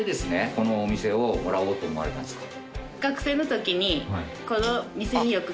このお店をもらおうと思われたんですか？